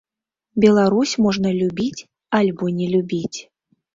Беларусь можна любіць альбо не любіць.